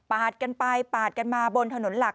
ก่อนที่จะทิ้งกันมาปาดกันไปปาดกันมาบนถนนหลัก